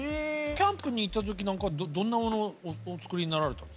キャンプに行った時なんかはどんなものをお作りになられた？